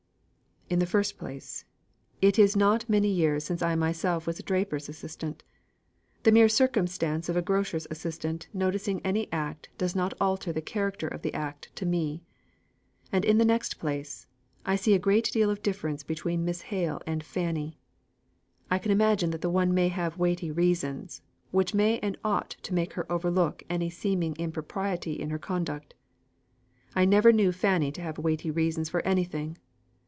"In the first place, as it is not many years since I myself was a draper's assistant, the mere circumstance of a grocer's assistant noticing any act does not alter the character of the act to me. And in the next place, I see a great deal of difference between Miss Hale and Fanny. I can imagine that the one may have weighty reasons, which may and ought to make her overlook any seeming impropriety in her conduct. I never knew Fanny have weighty reasons for anything.